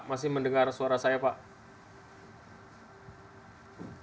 masih mendengar suara saya pak